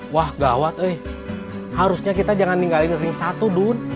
wah gawat eh harusnya kita jangan ninggalin ring satu dulu